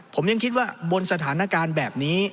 ผมยังคิดว่าบนสถานการณ์แบบนี้